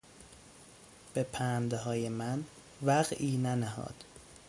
به پندهای من وقعی ننهاد.